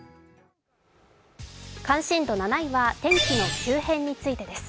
関心度７位は天気の急変についてです。